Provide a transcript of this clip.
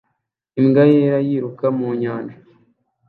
Imbwa yera yiruka mu nyanja